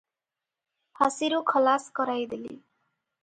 ଫାଶିରୁ ଖଲାସ କରାଇଦେଲି ।